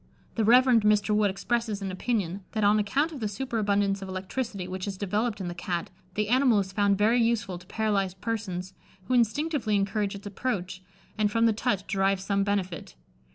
The Reverend Mr. Wood expresses an opinion, that on account of the superabundance of electricity which is developed in the Cat, the animal is found very useful to paralysed persons, who instinctively encourage its approach, and from the touch derive some benefit.